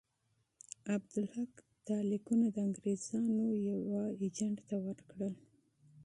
عبدالحق دا لیکونه د انګرېزانو یوه اجنټ ته ورکړل.